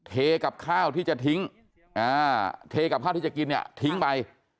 กับข้าวที่จะทิ้งเทกับข้าวที่จะกินเนี่ยทิ้งไป